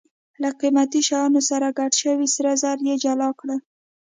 له قیمتي شیانو سره ګډ شوي سره زر یې جلا کړل.